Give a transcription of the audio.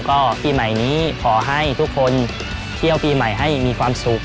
ก็ปีใหม่นี้ขอให้ทุกคนเที่ยวปีใหม่ให้มีความสุข